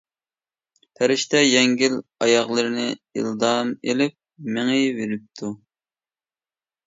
پەرىشتە يەڭگىل ئاياغلىرىنى ئىلدام ئېلىپ مېڭىۋېرىپتۇ.